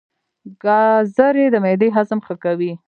ګازرې د معدې هضم ښه کوي.